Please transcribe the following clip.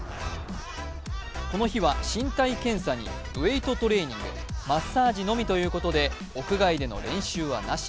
この日は身体検査にウエートトレーニングマッサージのみということで屋外での練習はなし。